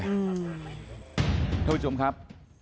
ทุกคุณผู้ชมครับ